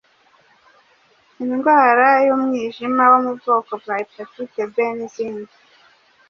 indwara y’umwijima wo mu bwoko bwa epatite B n’izindi.